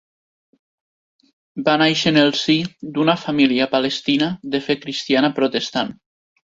Va nàixer en el si d'una família palestina de fe cristiana protestant.